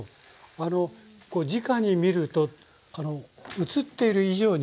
あのじかに見ると映っている以上にね。